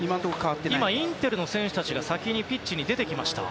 今、インテルの選手たちが先にピッチに出てきました。